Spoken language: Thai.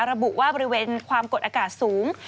ระบุว่าบริเวณความกดอากาศสูง